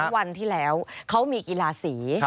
วันที่แล้วเขามีกีฬาสี